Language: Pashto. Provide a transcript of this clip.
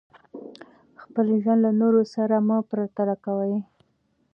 خپل ژوند له نورو سره مه پرتله کوئ.